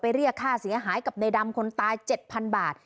เรียกค่าเสียหายกับในดำคนตาย๗๐๐บาท